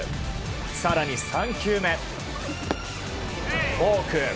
更に３球目、フォーク。